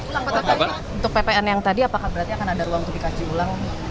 untuk ppn yang tadi apakah berarti akan ada ruang untuk dikaji ulang